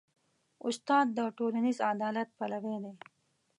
استاد د ټولنیز عدالت پلوی دی.